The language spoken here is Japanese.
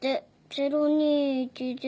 ０２１０。